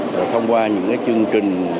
rồi thông qua những chương trình